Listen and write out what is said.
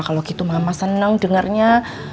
kalau gitu mama senang dengarnya